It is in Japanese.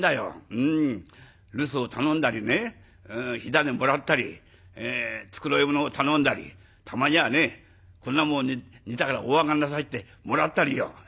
うん留守を頼んだりね火種もらったり繕い物を頼んだりたまにはね『こんなもの煮たからおあがんなさい』ってもらったりよ。